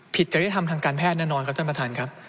จริยธรรมทางการแพทย์แน่นอนครับท่านประธานครับ